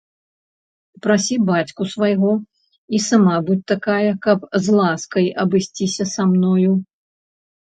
Прасі бацьку свайго і сама будзь такая, каб з ласкай абысціся са мною.